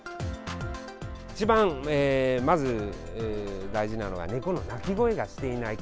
一番まず大事なのが、猫の鳴き声がしていないか。